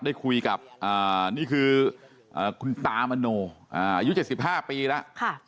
ได้คุยกับนี่คือคุณตามโนอายุ๗๕ปีแล้ว